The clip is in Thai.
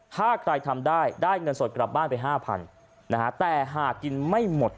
ถ้าใครทำได้ได้เงินสดกลับบ้านไปห้าพันนะฮะแต่หากกินไม่หมด